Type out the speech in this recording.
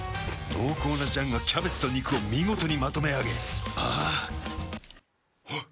濃厚な醤がキャベツと肉を見事にまとめあげあぁあっ。